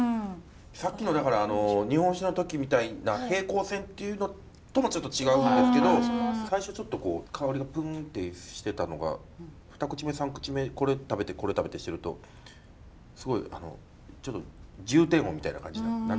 さっきのだからあの日本酒の時みたいな平行線っていうのともちょっと違うんですけど最初ちょっとこう香りがプンってしてたのが２口目３口目これ食べてこれ食べてしてるとすごい重低音みたいな感じになる。